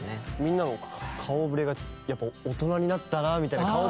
みんなの顔ぶれがやっぱ大人になったなみたいな。